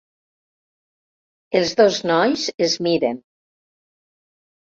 Els dos nois es miren.